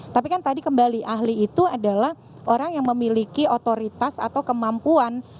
tapi kan tadi kembali ahli itu adalah orang yang memiliki otoritas atau kemampuan